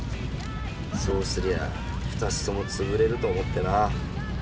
そうすりゃあ２つとも潰れると思ってな。